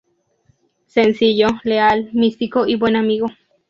Sencillo, leal, místico y buen amigo.